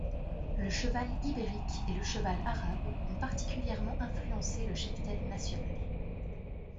Le cheval ibérique et le cheval arabe ont particulièrement influencé le cheptel national.